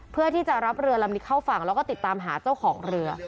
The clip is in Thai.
เพื่อที่จะรับเรือลำนี้เข้าฝั่งแล้วก็ติดตามหาเจ้าของเรือ